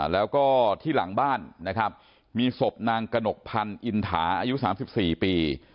แล้วก็ที่หลังบ้านนะครับมีศพนางกระหนกพันธ์อินถาอายุ๓๔ปี